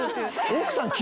奥さん。